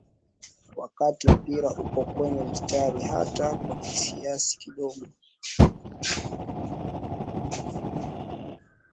Wakati mpira uko kwenye mstari hata kwa kiasi kidogo